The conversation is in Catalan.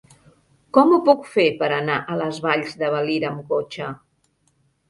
Com ho puc fer per anar a les Valls de Valira amb cotxe?